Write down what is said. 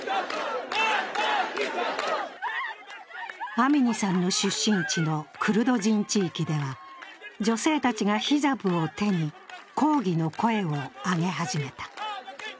アミニさんの出身地のクルド人地域では、女性たちがヒジャブを手に抗議の声を上げ始めた。